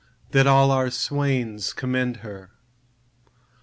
That all our swains commend her?